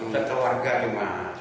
saya keluarga cuma